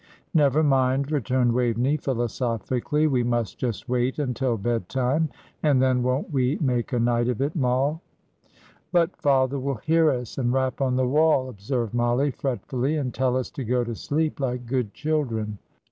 "Never mind," returned Waveney, philosophically. "We must just wait until bed time; and then won't we make a night of it, Moll?" "But father will hear us, and rap on the wall," observed Mollie, fretfully, "and tell us to go to sleep like good children."